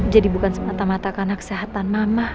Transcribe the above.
jadi bukan semata mata karena kesehatan mama